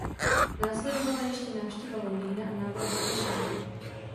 Následovala ještě návštěva Londýna a návrat do Paříže.